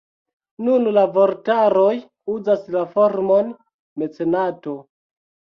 Nun la vortaroj uzas la formon mecenato.